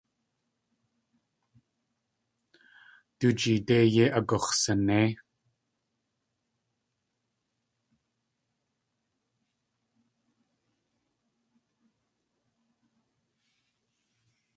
Du jeedé yéi agux̲sanéi.